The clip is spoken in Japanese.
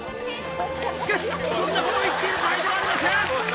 しかしそんなことを言っている場合ではありません！